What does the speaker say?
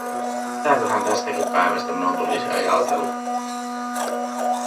Mitäköhän tästäkin päivästä minun tulisi ajatella?